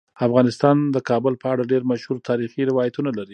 افغانستان د کابل په اړه ډیر مشهور تاریخی روایتونه لري.